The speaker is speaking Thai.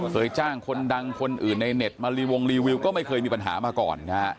จ้างคนดังคนอื่นในเน็ตมารีวงรีวิวก็ไม่เคยมีปัญหามาก่อนนะฮะ